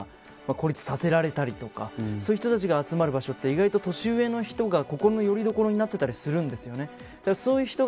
学校から孤立したりとか孤立させられたとかそういう人たちが集まる場所って意外と都市部の人が心のよりどころになっていたりするんですよね。